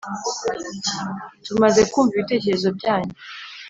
Tumaze kumva ibitekerezo byanyu